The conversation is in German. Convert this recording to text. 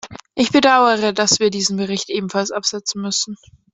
Ich bedaure, dass wir diesen Bericht ebenfalls absetzen müssen.